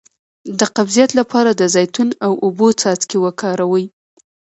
د قبضیت لپاره د زیتون او اوبو څاڅکي وکاروئ